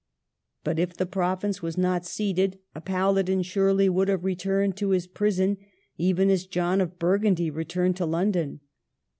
But if the province was not ceded, a paladin surely would have returned to his prison, even as John of Burgundy returned to London.